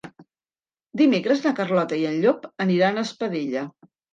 Dimecres na Carlota i en Llop aniran a Espadella.